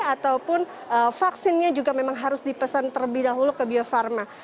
ataupun vaksinnya juga memang harus dipesan terlebih dahulu ke bio farma